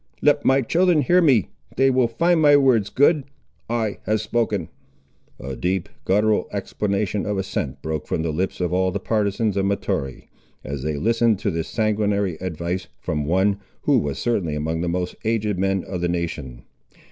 Let my children hear me. They will find my words good. I have spoken." A deep guttural exclamation of assent broke from the lips of all the partisans of Mahtoree, as they listened to this sanguinary advice from one, who was certainly among the most aged men of the nation.